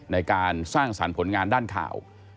ในการสร้างสรรค์ผลงานด้านข่าว